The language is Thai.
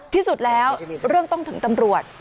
ที่สุดแล้วเรื่องต้องถึงตำรวจ